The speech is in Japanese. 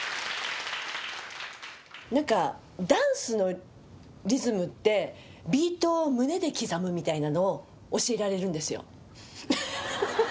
なんかダンスのリズムってビートを胸で刻むみたいなのを教えられるんですよふふ